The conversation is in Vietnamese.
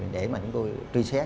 để chúng tôi truy xét